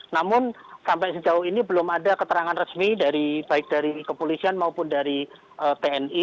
namun sampai sejauh ini belum ada keterangan resmi dari baik dari kepolisian maupun dari tni